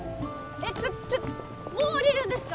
えっちょっもう下りるんですか？